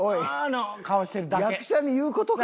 役者に言う事か？